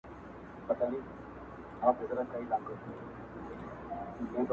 • اوس له تسپو او استغفاره سره نه جوړیږي -